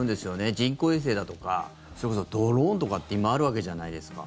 人工衛星だとかそれこそ、ドローンとかって今、あるわけじゃないですか。